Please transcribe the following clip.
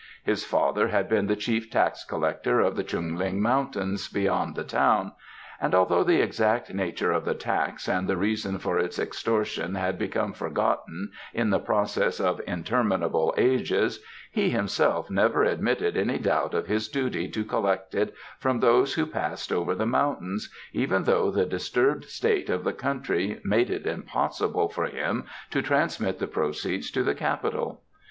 His father had been the chief tax collector of the Chunling mountains, beyond the town, and although the exact nature of the tax and the reason for its extortion had become forgotten in the process of interminable ages, he himself never admitted any doubt of his duty to collect it from all who passed over the mountains, even though the disturbed state of the country made it impossible for him to transmit the proceeds to the capital.